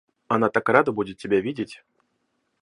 Она так рада будет тебя видеть.